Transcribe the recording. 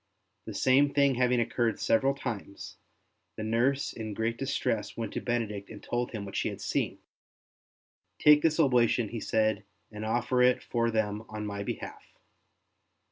The same thing having occurred several times, the nurse in great distress went to Benedict and told him what she had seen. *' Take this oblation,'' he said, '' and offer it for them on my behalf."